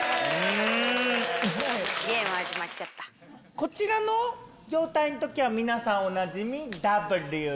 こちらの状態の時は皆さんおなじみＷ。